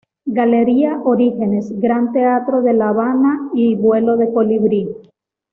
Galería Orígenes, Gran Teatro de La Habana y "Vuelo de colibrí".